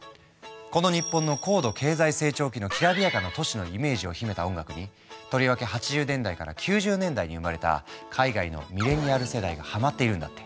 この日本の高度経済成長期のきらびやかな都市のイメージを秘めた音楽にとりわけ８０年代から９０年代に生まれた海外のミレニアル世代がハマっているんだって。